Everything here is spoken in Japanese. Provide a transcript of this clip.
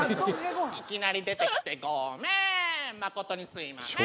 「いきなり出てきてゴメン誠にすいまメン」